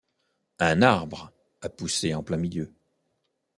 Un arbre a poussé en plein milieu.